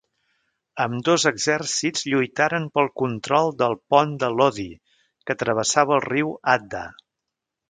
Ambdós exèrcits lluitaren pel control del pont de Lodi que travessava el riu Adda.